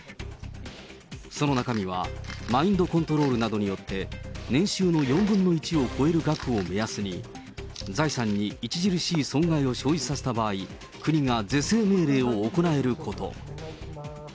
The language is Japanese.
その中身は、マインドコントロールなどによって、年収の４分の１を超える額を目安に、財産に著しい損害を生じさせた場合、国が是正命令を行えること。